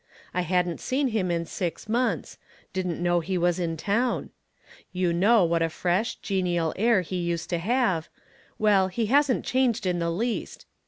I hadn't seen him in six months ; didn't know he was in town. You know what a fresh, genial air he 40 From Different Standpoints. used .to have. Well, he hasn't changed in the least.